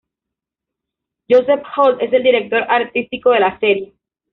Joseph Holt es el director artístico de la serie.